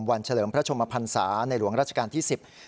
เฉลิมพระชมพันศาในหลวงราชการที่สิบ